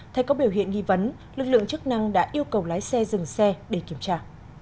thay có biểu hiện nghi vấn lực lượng chức năng đã yêu cầu lái xe dừng xe để kiểm tra